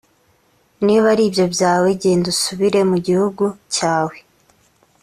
niba ari ibyo byawe, genda usubire mu gihugu cyawe.